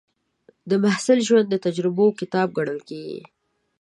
د محصل ژوند د تجربو کتاب ګڼل کېږي.